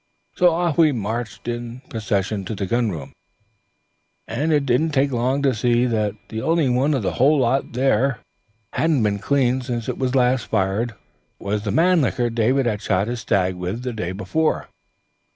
So off we all marched in procession to the gun room, and it didn't take long to see that the only one of the whole lot there that hadn't been cleaned since it was last fired was the Mannlicher David had shot his stag with the day before.